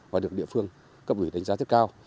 và được địa phương cấp ủy đánh giá rất cao